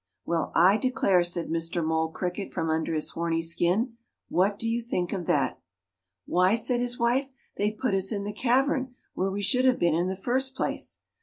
"Well, I declare!" said Mr. Mole Cricket from under his horny skin, "What do you think of that?" "Why," said his wife, "they've put us in the cavern where we should have been in the first place.